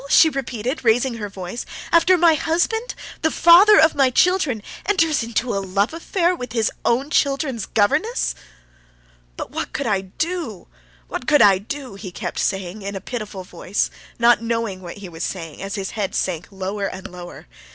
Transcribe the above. she repeated, raising her voice, "after my husband, the father of my children, enters into a love affair with his own children's governess?" "But what could I do? what could I do?" he kept saying in a pitiful voice, not knowing what he was saying, as his head sank lower and lower.